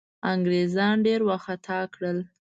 انګرېزان ډېر وارخطا کړل.